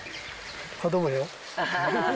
子どもよ。